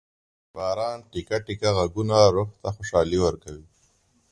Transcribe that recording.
د باران ټېکه ټېکه ږغونه روح ته خوشالي ورکوي.